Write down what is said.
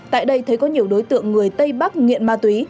tại đây thấy có nhiều đối tượng người tây bắc nghiện ma túy